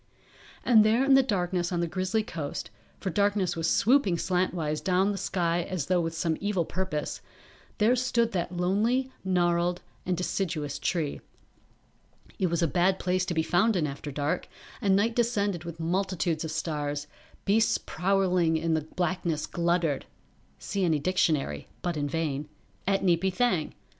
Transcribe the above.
And there in the darkness on the grizzly coast, for darkness was swooping slantwise down the sky as though with some evil purpose, there stood that lonely, gnarled and deciduous tree. It was a bad place to be found in after dark, and night descended with multitudes of stars, beasts prowling in the blackness gluttered [See any dictionary, but in vain.] at Neepy Thang.